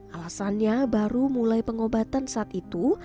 alasannya baru mulai pengobatan saat itu